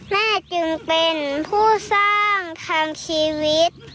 จึงเป็นผู้สร้างทางชีวิต